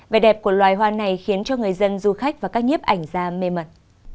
vẻ đẹp của loài hoa này khiến cho người dân du khách và các nhiếp ảnh ra mê mật